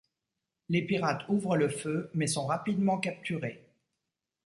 Les pirates ouvrent le feu mais sont rapidement capturés.